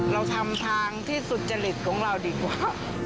เราทำทางที่สุจริตของเราดีกว่า